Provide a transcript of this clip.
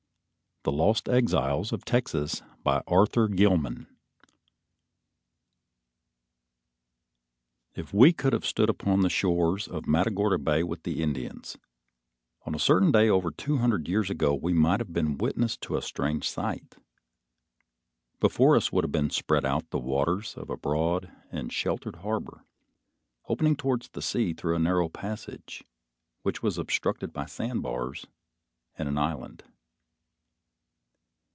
THE LOST EXILES OF TEXAS By Arthur Gilman If we could have stood upon the shores of Matagorda Bay with the Indians on a certain day over two hundred years ago we might have been witness to a strange sight. Before us would have been spread out the waters of a broad and sheltered harbor opening towards the sea through a narrow passage which was obstructed by sandbars and an island.